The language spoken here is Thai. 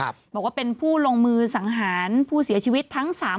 บอกว่าเป็นผู้ลงมือสังหารผู้เสียชีวิตทั้ง๓คน